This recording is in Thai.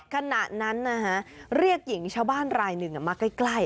ขณะนั้นเรียกหญิงชาวบ้านรายหนึ่งมาใกล้